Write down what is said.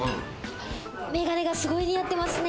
眼鏡がすごい似合ってますね。